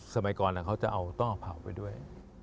สมัยก่อนเขาจะเอาต้อเผาไปด้วย